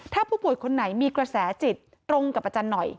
ถ้าผู้ป่วยคนไหนมีกระแสจิตตรงกับอาจารย์หน่อย